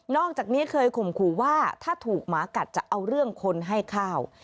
อกจากนี้เคยข่มขู่ว่าถ้าถูกหมากัดจะเอาเรื่องคนให้ข้าว